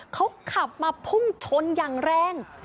เขาขับมาพุ่งชนอย่างแรง